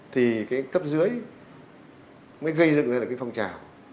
thì cái cấp dưới mới gây dựng ra được cái phong trào